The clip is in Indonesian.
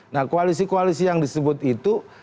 nah koalisi koalisi yang disebut itu